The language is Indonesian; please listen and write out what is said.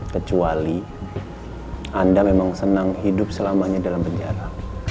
kecuali anda memang senang hidup selamanya dalam penjara